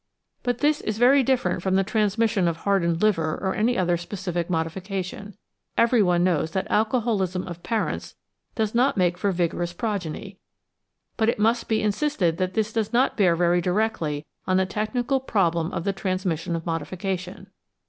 But this is very different from the transmission of hardened liver or any other specific modification. Everyone knows that alcoholism of parents does not make for vigorous progeny, but it must be insisted that this does not bear very directly on the technical problem of the transmission of modification.